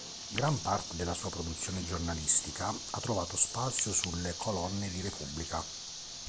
Gran parte della sua produzione giornalistica ha trovato spazio sulle colonne di "Repubblica".